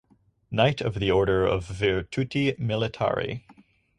Knight of the Order of Virtuti Militari.